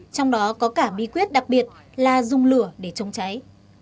trong đó có cả bí quyết đặc biệt là dùng lửa để chống cháy